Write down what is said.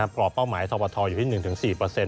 ปลอบเป้าหมายทบทอยู่ที่๑๔เปอร์เซ็นต์